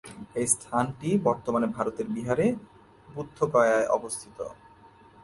এই স্থানটি বর্তমানে ভারতের বিহারে বুদ্ধগয়ায় অবস্থিত।